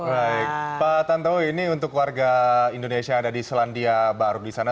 baik pak tanto ini untuk warga indonesia yang ada di selandia baru di sana